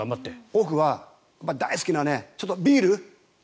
オフは大好きなビール